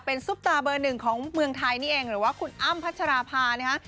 ซุปตาเบอร์หนึ่งของเมืองไทยนี่เองหรือว่าคุณอ้ำพัชราภานะฮะ